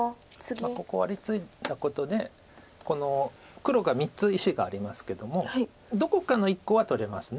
ここワリツイだことでこの黒が３つ石がありますけどもどこかの１個は取れます